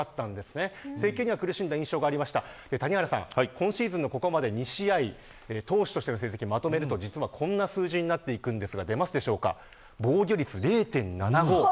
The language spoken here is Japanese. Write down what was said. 今シーズンのここまで２試合投手としての成績をまとめるとこんな数字になっています。